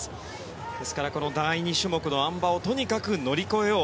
ですから第２種目のあん馬をとにかく乗り越えよう。